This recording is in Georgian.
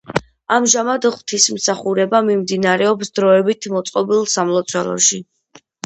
ამჟამად ღვთისმსახურება მიმდინარეობს დროებით მოწყობილ სამლოცველოში.